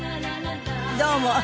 どうも。